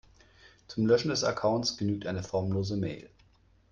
Zum Löschen des Accounts genügt eine formlose Mail.